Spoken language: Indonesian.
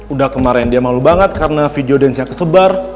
udah kemaren dia malu banget karena video danesnya kesebar